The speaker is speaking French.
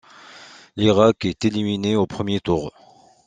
L'Irak est éliminé au premier tour.